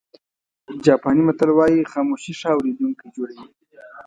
جاپاني متل وایي خاموشي ښه اورېدونکی جوړوي.